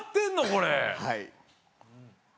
これ。